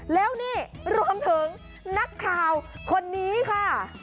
แล้วนี่รวมถึงนักข่าวคนนี้ค่ะ